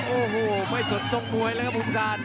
โอ้โหไม่สดส่งมวยแล้วครับอุ้งชาล